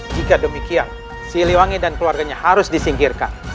jika demikian siliwangi dan keluarganya harus disingkirkan